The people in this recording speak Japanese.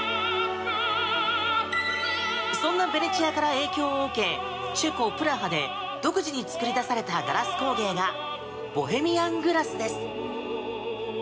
そんなべネチアから影響を受けチェコ・プラハで独自に作り出したガラス工芸がボヘミアン・グラスです。